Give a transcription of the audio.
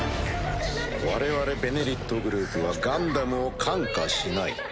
我々「ベネリット」グループはガンダムを看過しない。